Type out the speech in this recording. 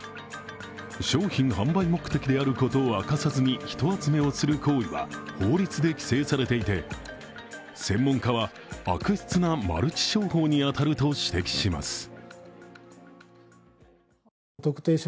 商品販売目的であることを明かさずに人集めをする行為は法律で規制されていて、専門家は、悪質なマルチ商法に当たると指摘します。